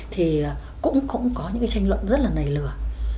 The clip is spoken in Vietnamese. thì cũng có những tranh luận rất là nầy lửa